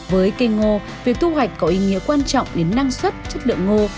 với cây ngô việc thu hoạch có ý nghĩa quan trọng đến năng suất chất lượng ngô